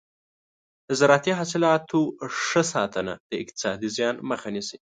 د زراعتي حاصلاتو ښه ساتنه د اقتصادي زیان مخه نیسي.